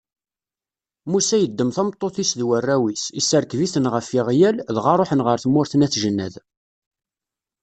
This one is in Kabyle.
Musa yeddem tameṭṭut-is d warraw-is, isserkeb-iten ɣef yiɣyal, dɣa ṛuḥen ɣer tmurt n At Jennad.